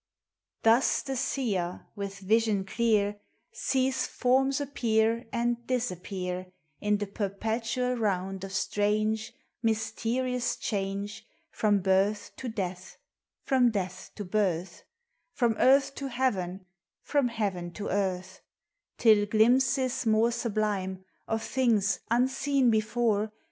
Thus the Seer With vision clear, Sees forms appear and disappear, In the perpetual round of strange, Mysterious change From birth to death, from death to birth, From earth to heaven, from heaven to earth; Till glimpses more sublime Of things, unseen before.